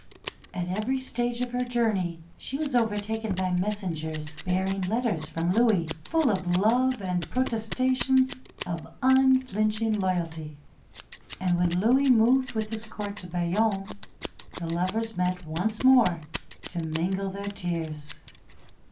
At every stage of her journey she was overtaken by messengers bearing letters from Louis, full of love and protestations of unflinching loyalty; and when Louis moved with his Court to Bayonne, the lovers met once more to mingle their tears.